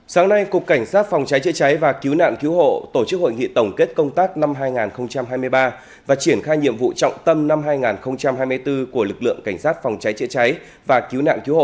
sáng nay cục cảnh sát phòng cháy chữa cháy và cứu nạn cứu hộ tổ chức hội nghị tổng kết công tác năm hai nghìn hai mươi ba và triển khai nhiệm vụ trọng tâm năm hai nghìn hai mươi bốn của lực lượng cảnh sát phòng cháy chữa cháy và cứu nạn cứu hộ